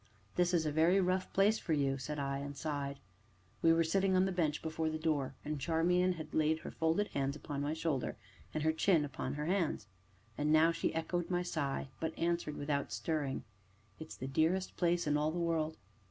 "This is a very rough place for you," said I, and sighed. We were sitting on the bench before the door, and Charmian had laid her folded hands upon my shoulder, and her chin upon her hands. And now she echoed my sigh, but answered without stirring: "It is the dearest place in all the world."